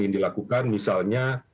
yang dilakukan misalnya